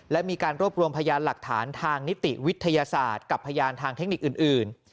และมีการรวบรวมพยานหลักฐานทางนิติวิทยาศาสตร์กับพยานทางเทคนิคอื่น